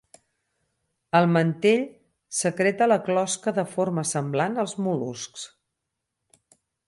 El mantell secreta la closca de forma semblant als mol·luscs.